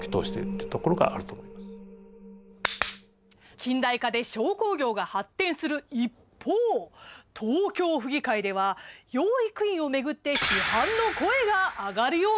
「近代化で商工業が発展する一方東京府議会では養育院を巡って批判の声が上がるようになります。